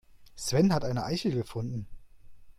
Sven hat eine Eichel gefunden.